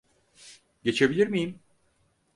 Geçebilir miyim?